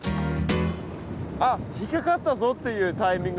あっ引っ掛かったぞっていうタイミングって。